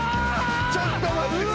ちょっと待ってくれ。